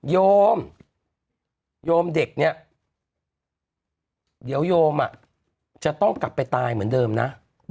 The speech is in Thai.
โยมโยมเด็กเนี่ยเดี๋ยวโยมจะต้องกลับไปตายเหมือนเดิมนะ